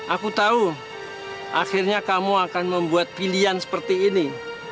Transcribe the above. aku tahu akhirnya kamu akan membuat pilihan seperti ini